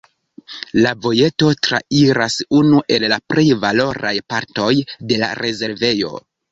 La vojeto trairas unu el la plej valoraj partoj de la rezervejo.